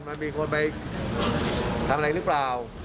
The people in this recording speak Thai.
มันมีคนไปทำอะไรหรือเปล่า